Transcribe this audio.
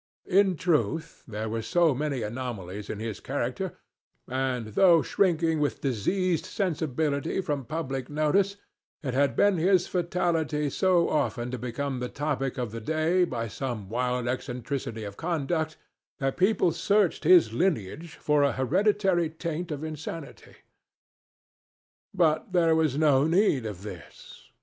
In truth, there were so many anomalies in his character, and, though shrinking with diseased sensibility from public notice, it had been his fatality so often to become the topic of the day by some wild eccentricity of conduct, that people searched his lineage for a hereditary taint of insanity. But there was no need of this.